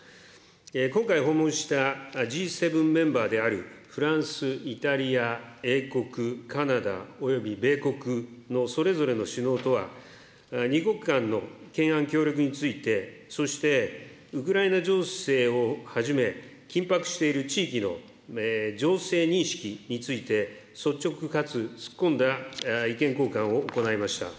今回訪問したＧ７メンバーであるフランス、イタリア、英国、カナダおよび米国のそれぞれの首脳とは、２国間の懸案協力について、そしてウクライナ情勢をはじめ、緊迫している地域の情勢認識について、率直かつ突っ込んだ意見交換を行いました。